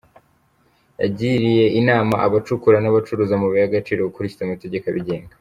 Yagiriye inama abacukura n’abacuruza amabuye y’agaciro gukurikiza amategeko abigenga.